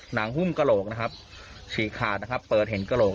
หุ้มกระโหลกนะครับฉีกขาดนะครับเปิดเห็นกระโหลก